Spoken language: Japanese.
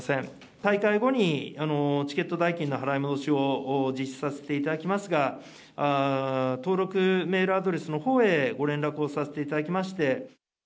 大会後に、チケット代金の払い戻しを実施させていただきますが、登録メールアドレスのほうへ、ご連絡をさせていただきまして。